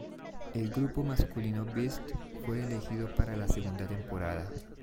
El grupo masculino Beast fue elegido para la segunda temporada.